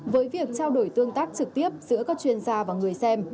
với việc trao đổi tương tác trực tiếp giữa các chuyên gia và người xem